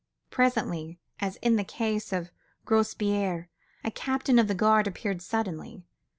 Presently, as in the case of Grospierre, a captain of the guard appeared suddenly.